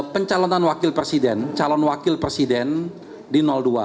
pencalonan wakil presiden calon wakil presiden di dua